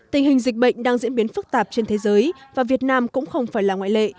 tình hình dịch bệnh đang diễn biến phức tạp trên thế giới và việt nam cũng không phải là ngoại lệ